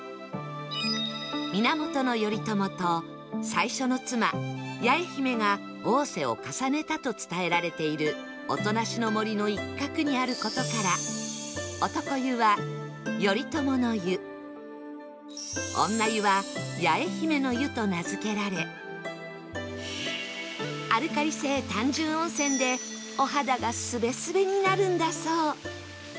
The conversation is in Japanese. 源頼朝と最初の妻八重姫が逢瀬を重ねたと伝えられている音無の森の一角にある事から男湯は頼朝の湯女湯は八重姫の湯と名付けられアルカリ性単純温泉でお肌がスベスベになるんだそう